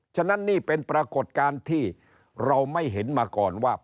ฉะนั้นนี่เป็นปรากฏการณ์ที่เราไม่เห็นมาก่อนว่า